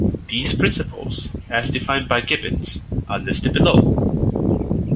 These principles, as defined by Gibbons, are listed below.